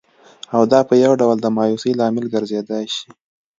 او دا په یوه ډول د مایوسۍ لامل ګرځېدای شي